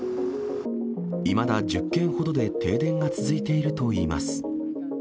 いまだ１０軒ほどで停電が続いているといいます。